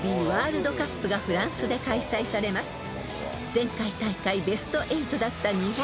［前回大会ベスト８だった日本］